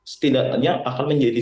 setidaknya akan menjadi